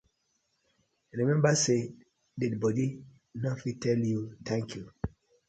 Remmeber say dead bodi no go fit tell yu tank yu.